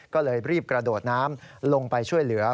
ก็เลยรีบกระโดดน้ำลงไปช่วยเหลือ